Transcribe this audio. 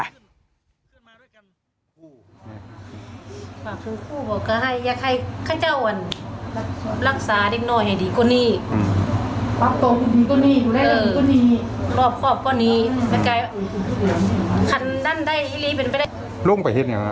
แท้ลูกเป็นอย่างเขาไห้ว่าเขาไห้